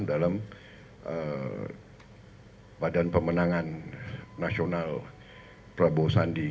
dalam badan pemenangan nasional prabowo sandi